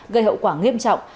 gây hậu quả nghiêm trọng